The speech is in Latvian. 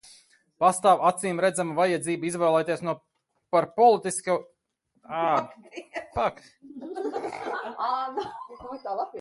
Pastāv acīmredzama vajadzība izvēlēties to par politisku prioritāti, kamēr nav par vēlu.